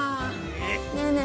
ねえねえ